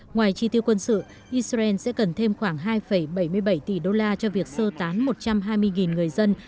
ngoài chi tiêu quân sự israel sẽ cần thêm khoảng hai bảy mươi bảy tỷ đô la cho việc sơ tán một trăm hai mươi người dân